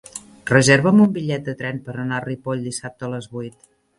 Reserva'm un bitllet de tren per anar a Ripoll dissabte a les vuit.